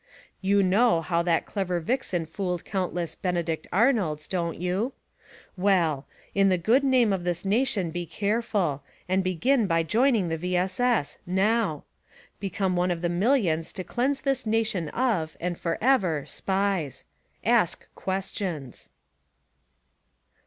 You know how that clever vixen fooled countless "Benedict Arnolds," don't you? Well! In the good name of this nation be careful, and begin by joining the V. S. S. — NOW! Become one of the millions to cleanse this nation of, and forever — SPIES. Ask questions